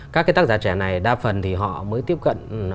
các cái tác giả trẻ này đa phần thì họ mới tiếp cận